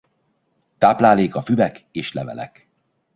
Tápláléka füvek és levelek.